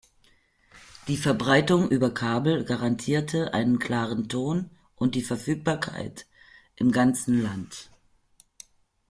Die Verbreitung über Kabel garantierte einen klaren Ton und die Verfügbarkeit im ganzen Land.